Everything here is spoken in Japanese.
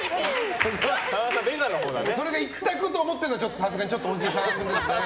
それが一択と思ってるのはさすがにちょっとおじさんですね。